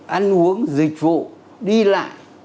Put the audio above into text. ăn uống dịch vụ đi lại